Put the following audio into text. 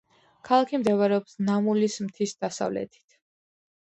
ქალაქი მდებარეობს ნამულის მთის დასავლეთით.